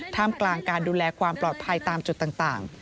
ท่ามกลางการดูแลความปลอดภัยตามจุดต่าง